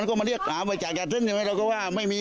นั้นก็มาเรียกหาไว้จากแก่เส้นใช่ไหมเราก็ว่าไม่มี